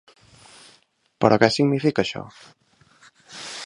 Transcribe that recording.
Però què significa això?